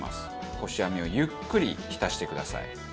こし網をゆっくり浸してください。